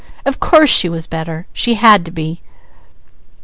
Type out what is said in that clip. Of course she was better! She had to be!